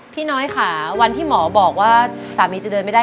น้อยค่ะวันที่หมอบอกว่าสามีจะเดินไม่ได้